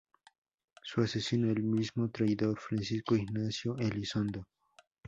Su asesino: el mismo traidor Francisco Ignacio Elizondo.